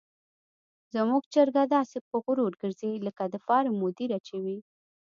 زموږ چرګه داسې په غرور ګرځي لکه د فارم مدیره چې وي.